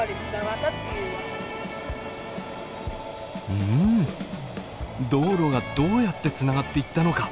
うん道路がどうやってつながっていったのか